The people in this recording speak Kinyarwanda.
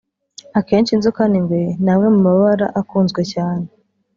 akenshi inzoka n’ingwe ni amwe mu mabara akunzwe cyane